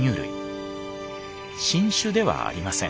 新種ではありません。